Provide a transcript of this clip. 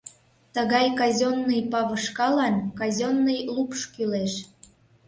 Тыгай казённый павышкалан казённый лупш кӱлеш.